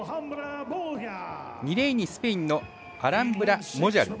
２レーンにスペインのアランブラモジャル。